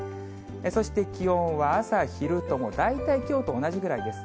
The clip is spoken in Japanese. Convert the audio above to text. そして気温は、朝、昼とも、大体きょうと同じぐらいです。